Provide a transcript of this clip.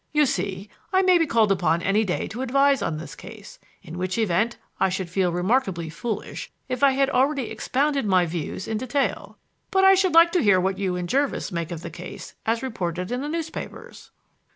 "You see, I may be called upon any day to advise on this case, in which event I should feel remarkably foolish if I had already expounded my views in detail. But I should like to hear what you and Jervis make of the case as reported in the newspapers."